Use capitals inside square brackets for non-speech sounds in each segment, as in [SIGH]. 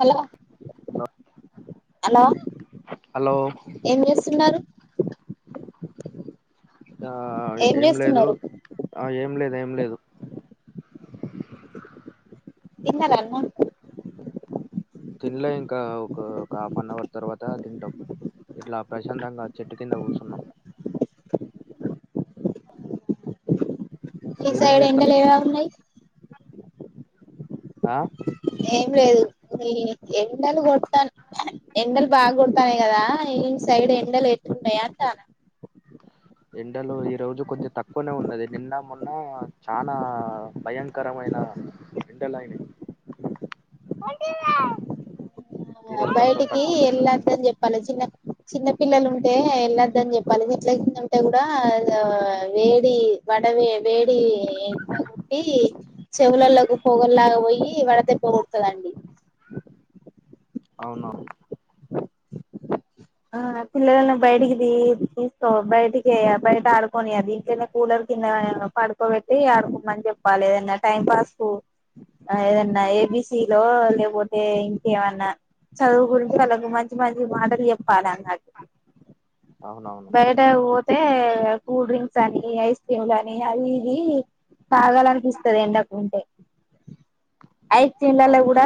Hello hello hello ఏం చెస్తున్నారు ఆఆఆ. ఏం లేదు ఆ ఏం లేదు ఏం లేదు తిన్నారా అన్నం తిన్లే ఇంకా ఒక హాఫ్ అన్ అవర్ తర్వాత తింటాం ఇట్లా ప్రశాంతంగా చెట్టు కింద కూసున్నం ఈ మీరేం సైడ్ చేస్తాం ఎండలు ఎలా ఉన్నాయి ఆ ఏం లేదు ని ఎండలు కొడతాయి ఎండలు బాగ ఎండలు బాగా కొడతానుయి కదా మీ సైడ్ ఎండలు ఎట్టున్నాయి అంటన్న ఎండలు ఈ రోజు కొంచెం తక్కువనే ఉన్నది నిండా మొన్న చాలా భయంకరమైన ఎండలయి బయటికి ఎళ్ళద్దనిచెప్ప చిన్న పిల్లలు ఉంటే వెళ్ళద్దని చెప్పాలి మైట్ల కింద ఉంటే కూడా వేడి వడవే వేడి ఎట్లా కొట్టి చెవులలో పొగల్లాగా పోయి వడదెబ్బ కొడతదండి అవునా ఆ పిల్లని బయటికి తీ తీసుకో బయటికి బయట ఆడుకొనియద్దు ఇంట్లోనేకూలర్ కింద పడుకోబెట్టి ఆడుకుంటామని చెప్పాలి ఏదనా టైం పాస్ కు ఏదన్నా ఏబిసిలో లే పోతే ఇంకేఅన్నా చదువు గురించి వాళ్లకు మంచి మంచి మాటలు చెప్తది పాలే అన్నట్టు అవునవును బయడ వొతే అతే కూల్ డ్రింక్స్ అని ఐస్ క్రీమ్ లాని అది ఇది తాగాలనిపిస్తుంది ఎండకు ఉంటే ఐస్ అవును ఇండ్లకూడా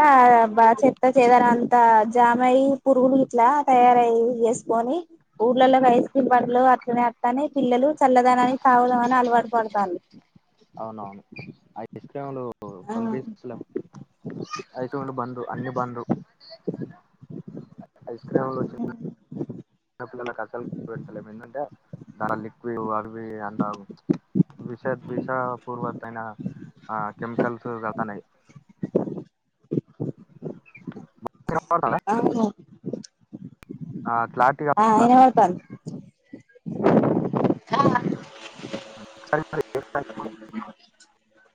బాగా చెత్త చెదారం అంత జామాయి పురుగులు గిట్ల తయారై చేసుకొని ఊర్లలకు ఐస్ క్రీమ్ బండ్లు అట్లనే అత్తన్నై పిల్లలు చల్లదాని అని తాగుదామని అలవాటు పడతారు అవునవును ఐస్క్రీమ్ లు ప్పుడు ఆ కనిపిస్తా లేం ఐస్క్రీమ్ లు బందు అన్ని బందు ఐస్ క్రీమ్లు వ చి చిన్న పిల్లలకు అసలు పెడతలేము ఎందంటే దాంట్లో లిక్విడ్ అవి అంత విష విష పూర్వతయిైన ఆ కెమికల్స్ కలతన్నాయి ఆ మరి ఆ క్లారిటీగా ఆ వినపడతాంది [INAUDIBLE]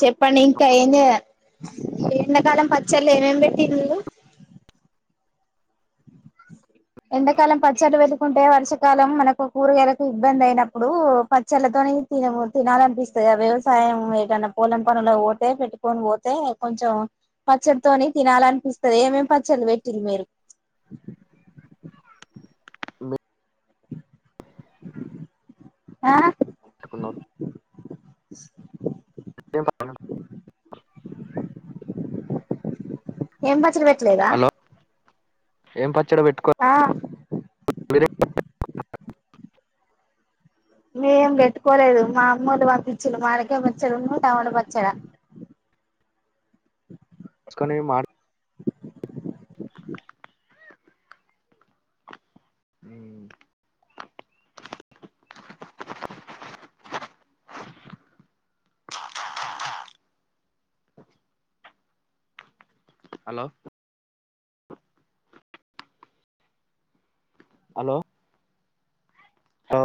చెప్పండి ఇంకా ఏం చేయాలి ఎండాకాలం పచ్చళ్ళు ఏమేమి పెట్టిర్రు మీరు ఎంతకాలం పచ్చళ్ళ తినాలనిపిస్తుంది ఏమేమి పచ్చళ్ళు పెట్టిరు మీరు ఆ [INAUDIBLE] ఏం బ చ్చడి పెట్టలేదా హలో ఏం ప ఆ మీరేం [INAUDIBLE] మేం పెట్టుకోలేదు మా అమ్మోళ్ళు పంపించును మామిడికాయ పచ్చడు ను టమాట పచ్చాడ ఇకనే మాడ్ అ హలో హలో హో